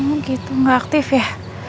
oh gitu nggak aktif ya